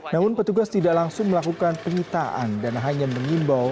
namun petugas tidak langsung melakukan penyitaan dan hanya mengimbau